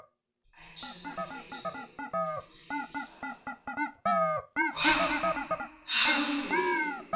I turned my face away and put his aside. "What!—How is this?"